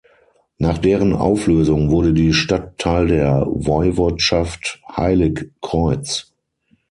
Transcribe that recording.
Nach deren Auflösung wurde die Stadt Teil der Woiwodschaft Heiligkreuz.